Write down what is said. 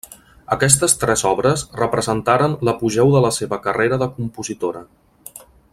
Aquestes tres obres representaren l'apogeu de la seva carrera de compositora.